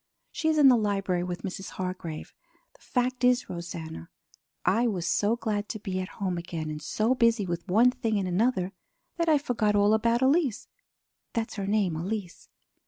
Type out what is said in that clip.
She is in the library with Mrs. Hargrave. The fact is, Rosanna, I was so glad to be at home again and so busy with one thing and another, that I forgot all about Elise. That's her name; Elise.